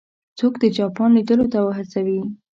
څوک د جاپان لیدلو ته وهڅوي.